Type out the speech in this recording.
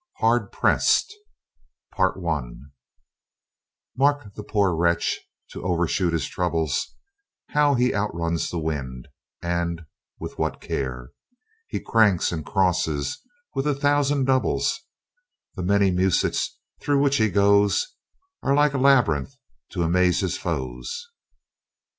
Hard Pressed "Mark the poor wretch, to overshoot his troubles, How he outruns the wind, and with what care He cranks and crosses with a thousand doubles: The many musets through the which he goes Are like a labyrinth to amaze his foes."